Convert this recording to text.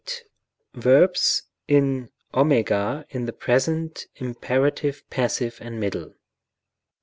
68, Verbs in @, in the present, imperative, passive and middle.